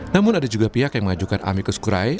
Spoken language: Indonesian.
namun ada juga pihak yang mengajukan amicus curai